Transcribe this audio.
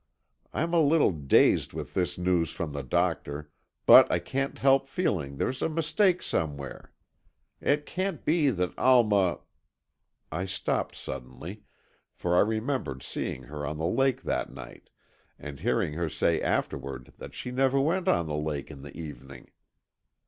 I'm a little dazed with this news from the doctor, but I can't help feeling there's a mistake somewhere. It can't be that Alma——" I stopped suddenly, for I remembered seeing her on the lake that night, and hearing her say afterward that she never went on the lake in the evening.